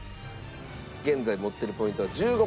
現在持ってるポイントは１５ポイント。